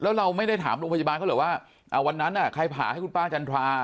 แล้วเราไม่ได้ถามโรงพยาบาลเขาเหรอว่าวันนั้นใครผ่าให้คุณป้าจันทรา